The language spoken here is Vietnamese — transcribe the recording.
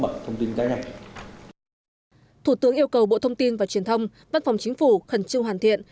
thủ tướng yêu cầu bộ thông tin và truyền thông văn phòng chính phủ khẩn trương hoàn thiện